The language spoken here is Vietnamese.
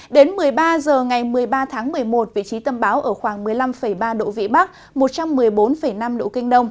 đến một mươi ba h ngày một mươi ba tháng một mươi một vị trí tâm báo ở khoảng một mươi năm ba độ vĩ bắc một trăm một mươi bốn năm độ kinh đông